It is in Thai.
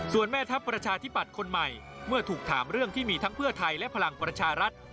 ส่วนแม่ทัพประชาธิปัตย์คนใหม่เมื่อถูกถามเรื่องที่มีทั้งเพื่อไทยและพลังประชารัฐ